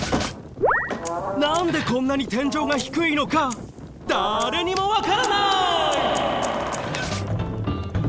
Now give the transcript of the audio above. なんでこんなに天井が低いのかだれにもわからない！